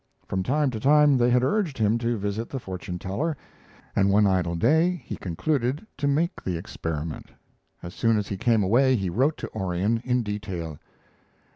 From time to time they had urged him to visit the fortune teller, and one idle day he concluded to make the experiment. As soon as he came away he wrote to Orion in detail.